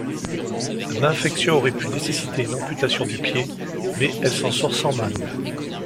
L'infection aurait pu nécessiter une amputation du pied mais elle s'en sort sans mal.